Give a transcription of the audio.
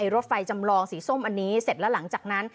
รถไฟจำลองสีส้มอันนี้เสร็จแล้วหลังจากนั้น